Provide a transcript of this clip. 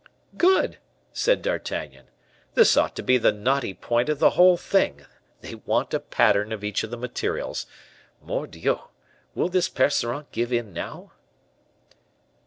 "Good!" said D'Artagnan, "this ought to be the knotty point of the whole thing; they want a pattern of each of the materials. Mordioux! Will this Percerin give in now?"